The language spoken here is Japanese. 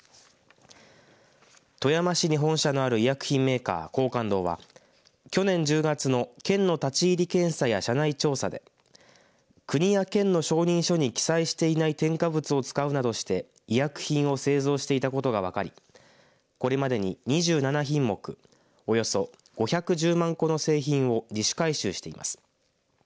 富山市に本社のある医薬品メーカー廣貫堂は、去年１０月の県の立ち入り検査や社内調査で国や県の承認書に記載していない添加物を使うなどして医薬品を製造していたことが分かりこれまでに、２７品目およそ５１０万個の製品を自主回収しています。